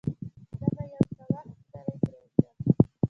زه به يو څه وخت کلی پرېږدم.